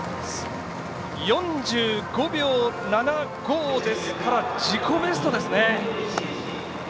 ４５秒７５ですから自己ベストですね。